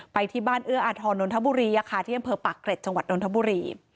ไปที่บ้านเอื้ออาทรนนทบุรีที่อำเภอปากเกร็ดจังหวัดนทบุรี